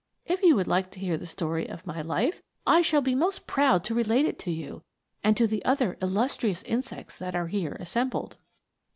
If you would like to hear the story of my life, I shall be most proud to relate it to you, and to the other illus trious insects that are here assembled.